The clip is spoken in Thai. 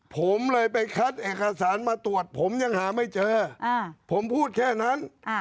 ผมเลยไปคัดเอกสารมาตรวจผมยังหาไม่เจอผมพูดแค่นั้น